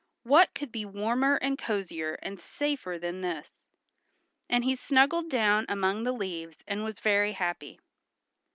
What could be warmer and cosier and safer than this." And he snuggled down among the leaves and was very happy.